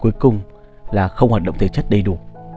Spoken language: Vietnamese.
cuối cùng là không hoạt động thể chất đầy đủ